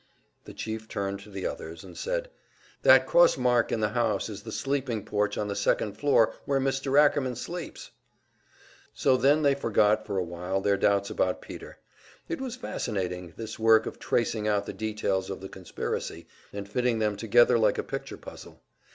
The Chief turned to the others, and said, "That cross mark in the house is the sleeping porch on the second floor where Mr. Ackerman sleeps!" So then they forgot for a while their doubts about Peter. It was fascinating, this work of tracing out the details of the conspiracy, and fitting them together like a picture puzzle.